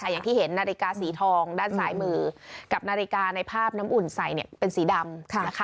อย่างที่เห็นนาฬิกาสีทองด้านซ้ายมือกับนาฬิกาในภาพน้ำอุ่นใส่เป็นสีดำ